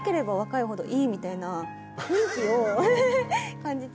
みたいな雰囲気をフフフ感じて。